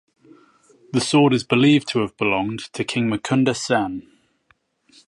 The sword is believed to have belonged to king Mukunda Sen.